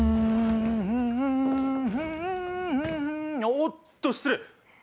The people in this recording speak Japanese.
おおっと失礼！